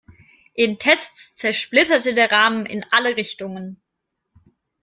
In Tests zersplitterte der Rahmen in alle Richtungen.